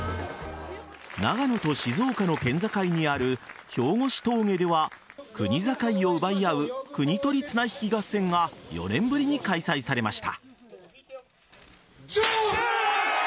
長野と静岡の県境にある兵越峠では国境を奪い合う国盗り綱引き合戦が４年ぶりに開催されました。